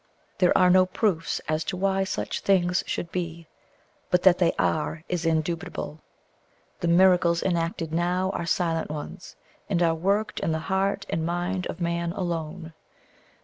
There are no proofs as to why such things should be; but that they are, is indubitable. The miracles enacted now are silent ones, and are worked in the heart and mind of man alone.